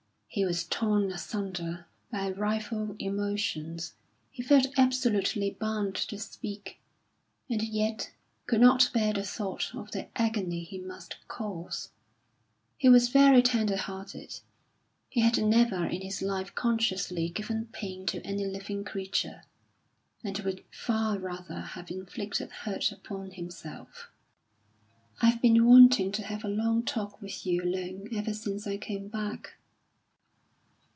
He was torn asunder by rival emotions; he felt absolutely bound to speak, and yet could not bear the thought of the agony he must cause. He was very tender hearted; he had never in his life consciously given pain to any living creature, and would far rather have inflicted hurt upon himself. "I've been wanting to have a long talk with you alone ever since I came back."